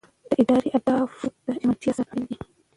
د ادارې اهدافو ته ژمنتیا ساتل اړینه ده.